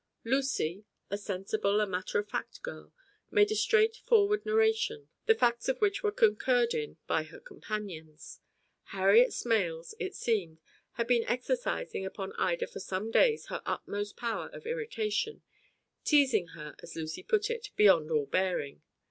Lucy, a sensible and matter of fact girl, made a straightforward narration, the facts of which were concurred in by her companions. Harriet Smales, it seemed, had been exercising upon Ida for some days her utmost powers of irritation, teasing her, as Lucy put it, "beyond all bearing."